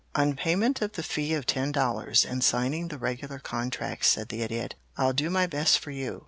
"On payment of the fee of ten dollars, and signing the regular contract," said the Idiot. "I'll do my best for you.